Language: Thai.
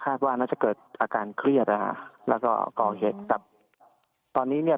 ว่าน่าจะเกิดอาการเครียดนะฮะแล้วก็ก่อเหตุครับตอนนี้เนี่ย